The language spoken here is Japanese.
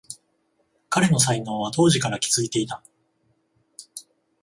彼の才能は当時から気づいていた